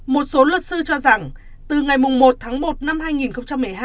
một số luật sư cho rằng từ ngày một tháng một năm hai nghìn một mươi hai